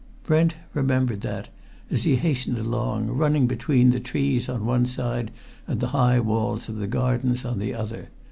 Brent remembered that as he hastened along, running between the trees on one side and the high walls of the gardens on the other.